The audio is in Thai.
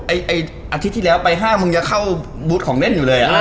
อาทิตย์ไปห้างพรุ่งแข่งมุงจะเข้าบุทของเล่นอยู่เลย